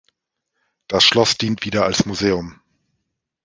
Das Schloss dient wieder als Museum.